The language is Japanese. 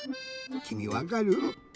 きみわかる？